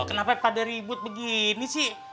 kenapa pada ribut begini sih